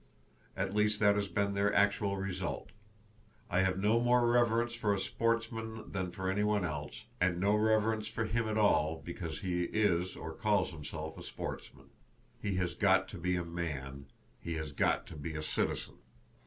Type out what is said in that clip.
At least that has been their actual result. I have no more reverence for a sportsman than for anyone else, and no reverence for him at all because he is or calls himself a sportsman. He has got to be a man. He has got to be a citizen.